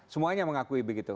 semuanya mengakui begitu